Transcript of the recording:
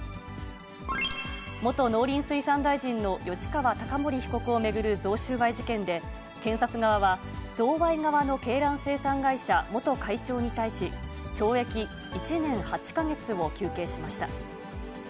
元農林水産大臣の吉川貴盛被告を巡る贈収賄事件で、検察側は、贈賄側の鶏卵生産会社元会長に対し、懲役１年８か月を求刑しました。